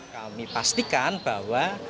kami pastikan bahwa